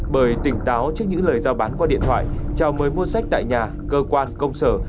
bởi tỉnh táo trước những lời giao bán qua điện thoại chào mời mua sách tại nhà cơ quan công sở